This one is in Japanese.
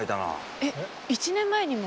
えっ１年前にも？